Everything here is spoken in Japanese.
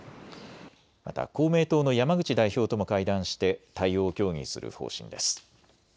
また公明党の山口代表とも会談して対応を協議する方針です。